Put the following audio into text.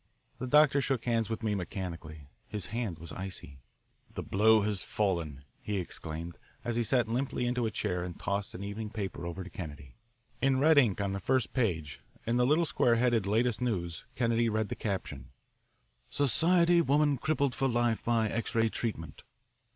The doctor shook hands with me mechanically. His hand was icy. "The blow has fallen," he exclaimed, as he sank limply into a chair and tossed an evening paper over to Kennedy. In red ink on the first page, in the little square headed "Latest News," Kennedy read the caption, "Society Woman Crippled for Life by X Ray Treatment."